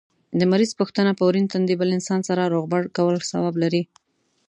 د مریض پوښتنه په ورين تندي بل انسان سره روغبړ کول ثواب لري